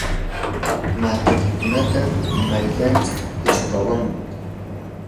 matikunata mayllantsik uchpawan.